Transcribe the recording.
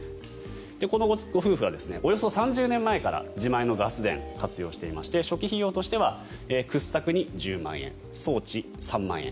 このご夫婦はおよそ３０年前から自前のガス田を活用していまして初期費用としては掘削に１０万円装置、３万円